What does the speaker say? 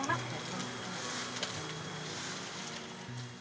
mak nanti ya lah nanya